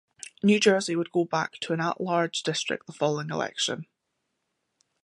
New Jersey would go back to an at-large district the following election.